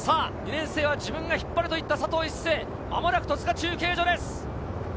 ２年生は自分が引っ張るといった佐藤一世、間もなく戸塚中継所です。